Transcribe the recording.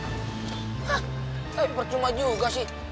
hah tapi percuma juga sih